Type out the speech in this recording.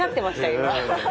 今。